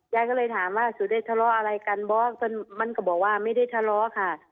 ยายก็เลยถามว่าสุได้ทะเลาะอะไรกันบอสมันก็บอกว่าไม่ได้ทะเลาะค่ะ